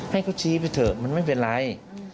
ให้เขาชี้ไปเถอะมันไม่เป็นไร